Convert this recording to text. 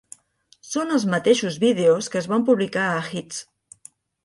Són els mateixos vídeos que es van publicar a "Hits!